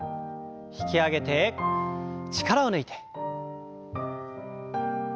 引き上げて力を抜いて。